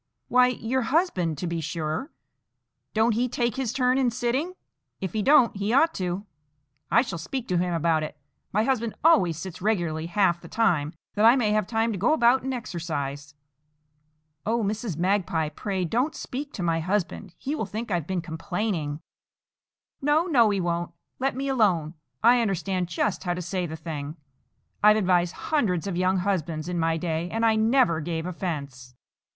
"Why, your husband, to be sure; don't he take his turn in sitting? If he don't, he ought to. I shall speak to him about it. My husband always sits regularly half the time, that I may have time to go about and exercise." "O Mrs. Magpie, pray don't speak to my husband; he will think I've been complaining." "No, no, he won't. Let me alone. I understand just how to say the thing. I've advised hundreds of young husbands in my day, and I never gave offence."